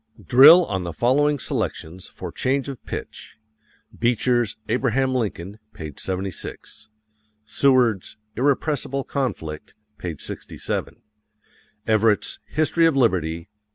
Drill on the following selections for change of pitch: Beecher's "Abraham Lincoln," p. 76; Seward's "Irrepressible Conflict," p. 67; Everett's "History of Liberty," p.